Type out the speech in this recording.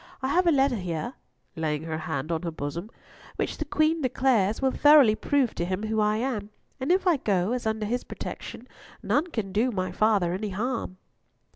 I have a letter here," laying her hand on her bosom, "which, the Queen declares, will thoroughly prove to him who I am, and if I go as under his protection, none can do my father any harm."